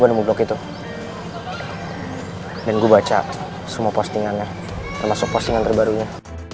gue nunggu blog itu dan gua baca semua postingannya termasuk postingan terbarunya